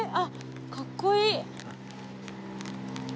かっこいい。